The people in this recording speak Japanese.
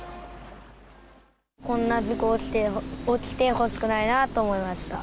こんな事故、起きてほしくないなと思いました。